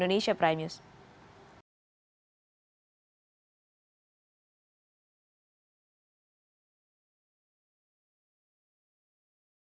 terima kasih pak yunahar ilyas wakil ketua umum majelis ulama indonesia